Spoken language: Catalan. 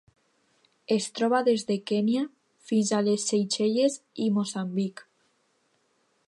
Es troba des de Kenya fins a les Seychelles i Moçambic.